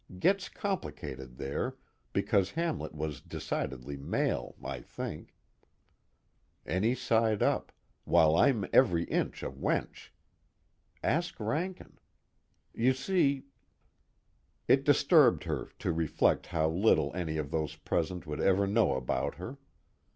Gets complicated there, because Hamlet was decidedly male, I think, any side up, while I'm every inch a wench. Ask Rankin. You see_ It disturbed her, to reflect how little any of those present would ever know about her.